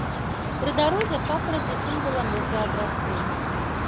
Пры дарозе папараць зусім была мокрая ад расы.